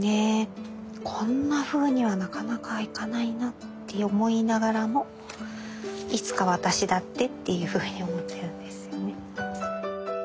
こんなふうにはなかなかいかないなって思いながらもいつか私だってっていうふうに思っているんですよね。